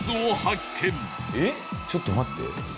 ちょっと待って。